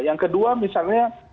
yang kedua misalnya